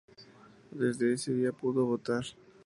Desde ese día pudo votar.